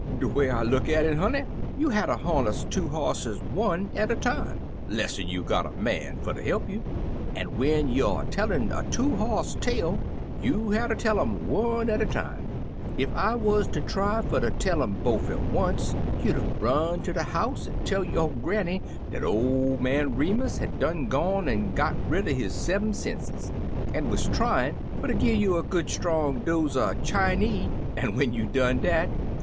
"De way I look at it, honey, you hatter harness two bosses one at a time, less'n you got a man fer ter he'p you ; an* when youer tellin' a two boss tale, you batter tell um one at a time. Ef I wuz ter tiy fer ter tell lun bofe at once, you'd run ter de house an* tell yo* granny dat ol* man Remus bad done gone an* got rid er bis sev*m senses, an* wuz tryin* fer ter gi* you a good strong dose er Chinee; an* when you done dat.